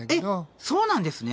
えっそうなんですね。